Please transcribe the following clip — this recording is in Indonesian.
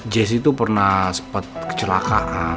jessy pastinya sempat kecelakaan